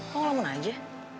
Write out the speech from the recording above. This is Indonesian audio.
lo ngelamun aja